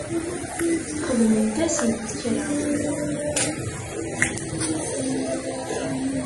Xedment-asen kra?